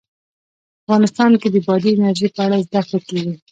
افغانستان کې د بادي انرژي په اړه زده کړه کېږي.